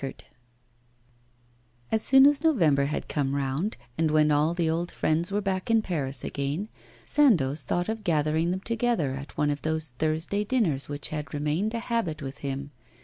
As soon as November had come round, and when all the old friends were back in Paris again, Sandoz thought of gathering them together at one of those Thursday dinners which had remained a habit with him.